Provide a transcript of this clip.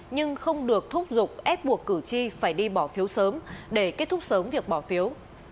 nhưng không được thúc giục ép buộc cử tri phải đi bỏ phiếu sớm để kết thúc sớm việc bỏ phiếu